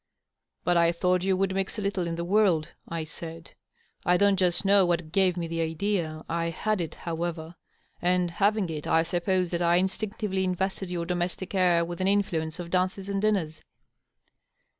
" But I thought you would mix a little in the world," I said. " I don^t just know what gave me the idea. I had it, however. And having it, I suppose that I instinctively invested your domestic air with an influence of dances and dinners."